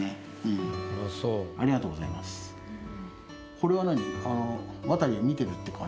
これは何？